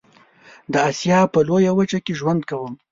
د آسيا په لويه وچه کې ژوند کوم.